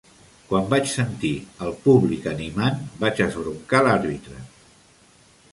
Quan vaig sentir el públic animant, vaig esbroncar l'àrbitre.